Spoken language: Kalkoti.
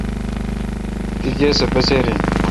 تی گاے سہ بسیر°این۔